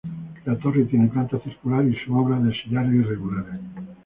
La torre tiene planta circular, y su obra es de sillares irregulares.